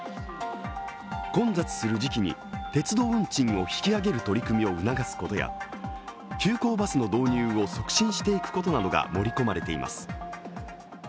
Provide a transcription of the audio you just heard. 混雑する時期に鉄道運賃を引き上げる取り組みを促すことや急行バスの導入を促進していくことなどが盛り込まれています。